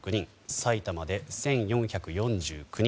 埼玉で１４４９人